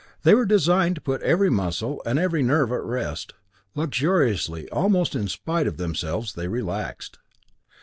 They were designed to put every muscle and every nerve at rest. Luxuriously, almost in spite of themselves, they relaxed.